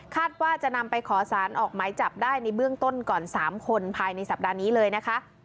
ว่าจะนำไปขอสารออกหมายจับได้ในเบื้องต้นก่อน๓คนภายในสัปดาห์นี้เลยนะคะ